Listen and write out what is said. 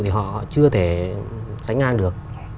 thì họ chưa thể sánh ngang được